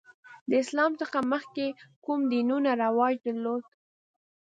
د اسلام څخه مخکې کوم دینونه رواج درلود؟